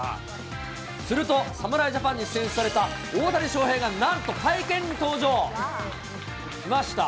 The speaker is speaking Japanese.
すると、侍ジャパンに選出された大谷翔平がなんと、会見に登場しました。